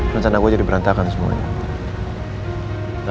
rencana gue jadi berantakan semuanya